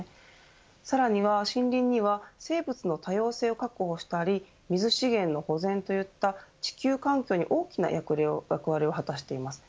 さらには、森林には生物の多様性を確保したり水資源の保全といった地球環境に大きな役割を果たしています。